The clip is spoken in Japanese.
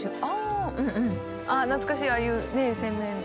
懐かしいああいうね洗面台。